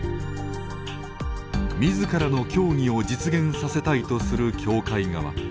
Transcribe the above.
みずからの教義を実現させたいとする教会側。